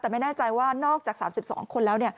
แต่ไม่แน่ใจว่านอกจาก๓๒คนแล้ว